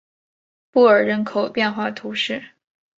布尔人口变化图示